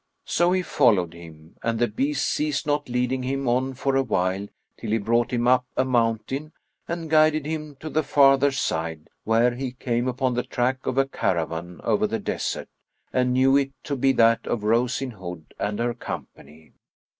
So he followed him, and the beast ceased not leading him on for a while till he brought him up a mountain, and guided him to the farther side, where he came upon the track of a caravan over the desert, and knew it to be that of Rose in Hood and her company.